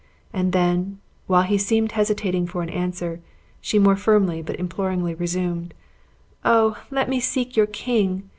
And then, while he seemed hesitating for an answer, she more firmly, but imploringly resumed: "Oh, let me seek your king?